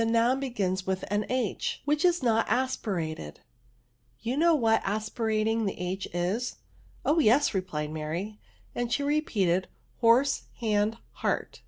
^ noun begiiis with an h which is not aspirated ; you know what aspirating tlie A is?" Oh, yes," replied Mary ; and she re peated, horse, hand, heart.